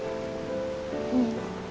うん。